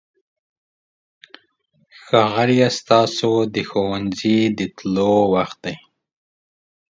ښاغلیه! ستاسو د ښوونځي د تلو وخت دی.